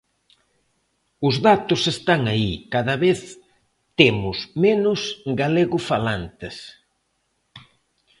Os datos están aí, cada vez temos menos galegofalantes.